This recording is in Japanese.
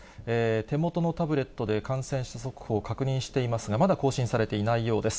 手元のタブレットで感染者速報、確認していますが、まだ更新されていないようです。